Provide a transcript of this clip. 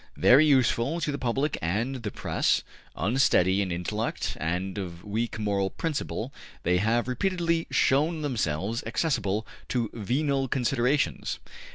Very useful to the police and the press, unsteady in intellect and of weak moral principle, they have repeatedly shown themselves accessible to venal considerations.